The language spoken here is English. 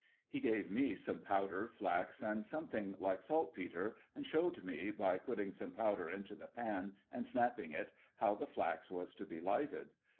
He gave me some powder, flax, and something like saltpetre, and showed me, by putting some powder into the pan, and snapping it, how the flax was to be lighted.